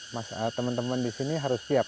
mas teman teman di sini harus siap